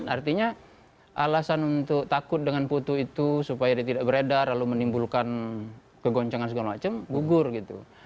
artinya alasan untuk takut dengan putu itu supaya dia tidak beredar lalu menimbulkan kegoncangan segala macam gugur gitu